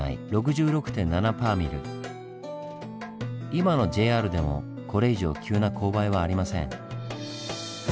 今のＪＲでもこれ以上急な勾配はありません。